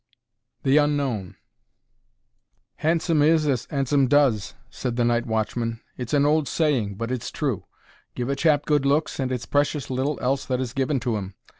THE UNKNOWN Handsome is as 'andsome does," said the night watchman. It's an old saying, but it's true. Give a chap good looks, and it's precious little else that is given to 'im.